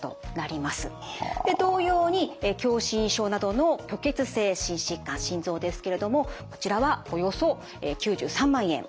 同様に狭心症などの虚血性心疾患心臓ですけれどもこちらはおよそ９３万円。